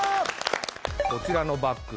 こちらのバッグ